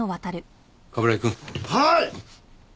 はい！